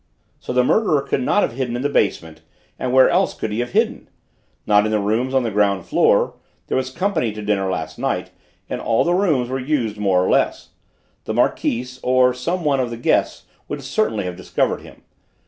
So the murderer could not have hidden in the basement, and where else could he have hidden? Not in the rooms on the ground floor: there was company to dinner last night, and all the rooms were used more or less; the Marquise, or some one of the guests, would certainly have discovered him.